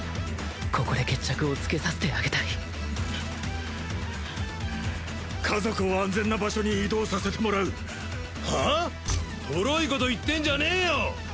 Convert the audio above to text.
ここで決着をつけさせてあげたい家族を安全な場所に移動させてもらうはあ！？トロいこと言ってんじゃねえよ！